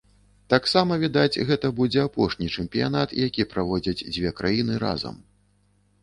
Таксама, відаць, гэта будзе апошні чэмпіянат, які праводзяць дзве краіны разам.